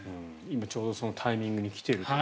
今ちょうどそのタイミングに来ていると。